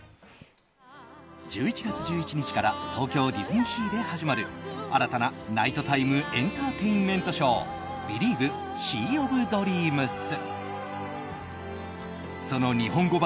１１月１１日から東京ディズニーシーで始まる新たなナイトタイムエンターテインメントショー「ビリーヴ！シー・オブ・ドリームス」。